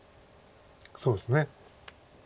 そうですね。